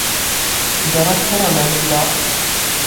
گەڕەک پڕە لە منداڵ.